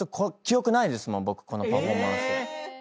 僕このパフォーマンス。